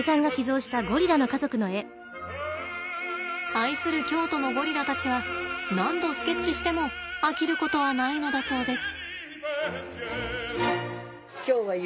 愛する京都のゴリラたちは何度スケッチしても飽きることはないのだそうです。